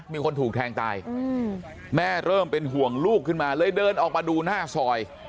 มีคนถูกแทงตายแม่เริ่มเป็นห่วงลูกขึ้นมาเลยเดินออกมาดูหน้าซอย